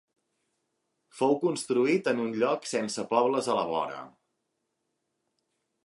Fou construït en un lloc sense pobles a la vora.